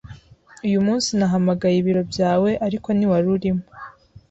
Uyu munsi nahamagaye ibiro byawe, ariko ntiwari urimo.